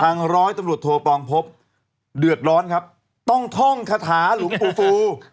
ร้อยตำรวจโทปองพบเดือดร้อนครับต้องท่องคาถาหลวงปูฟู